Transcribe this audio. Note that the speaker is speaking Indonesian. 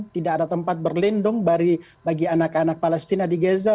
tidak ada tempat berlindung bagi anak anak palestina di gaza